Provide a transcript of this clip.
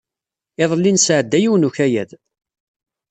Iḍelli nesɛedda yiwen n ukayad.